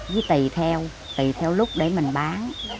với tùy theo tùy theo lúc để mình bán